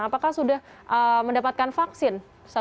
apakah sudah mendapatkan vaksin